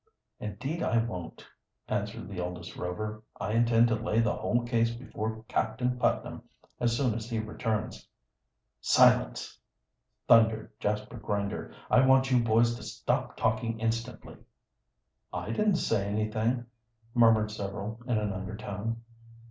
"Indeed I won't," answered the eldest Rover. "I intend to lay the whole case before Captain Putnam as soon as he returns." "Silence!" thundered Jasper Grinder. "I want you boys to stop talking instantly." "I didn't say anything," murmured several in an undertone.